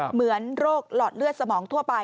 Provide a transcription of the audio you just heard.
เหมือนโรคหลอดเลือดสมองทั่วไป